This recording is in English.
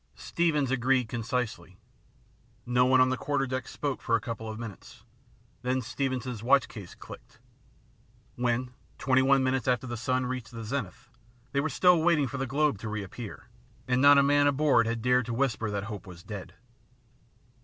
Steevens agreed concisely. No one on the quarter deck spoke for a couple of minutes. Then Steevens' watchcase 'clicked. IN THE ABYSS 79 When, twenty one minutes after, the sun reached the zenith, they were still waiting for the globe to reappear, and not a man aboard had dared to whisper that hope was dead.